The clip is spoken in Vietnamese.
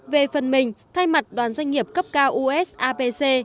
về phần mình thay mặt đoàn doanh nghiệp cấp cao usapc